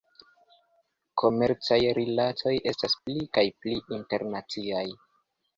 Komercaj rilatoj estas pli kaj pli internaciaj.